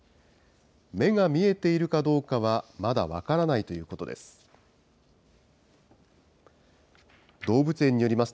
目が見えているかどうかはまだ分からないということです。